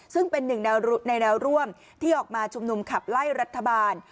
ซึ่งเป็นหนึ่งในแนวร่วมที่ออกมาชุมนุมขับไล่รัฐบาล